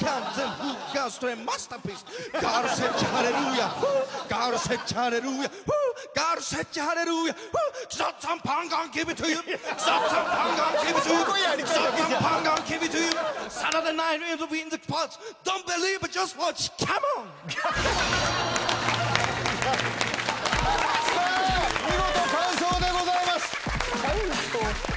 やっぱねさあ見事完奏でございます